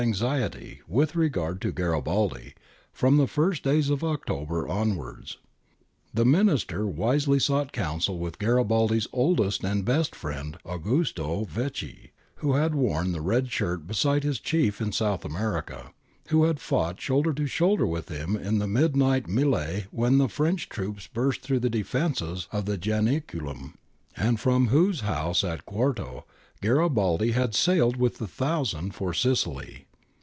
He regretted 262 GARIBALDI AND THE MAKING OF ITALY Garibaldi's oldest and best friend, Augusto Vecchi, who had worn the red shirt beside his chief in South America, who had fought shoulder to shoulder with him in the midnight niiUe when the French troops burst through the defences of the Janiculum, and from whose house at Quarto, Garibaldi had sailed with the Thousand for Sicily.